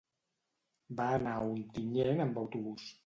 Va anar a Ontinyent amb autobús.